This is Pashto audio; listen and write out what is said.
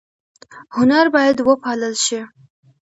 هنر باید وپال ل شي